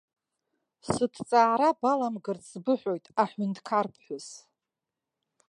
Сыҭҵаара баламгарц сбыҳәоит, аҳәынҭқарԥҳәыс!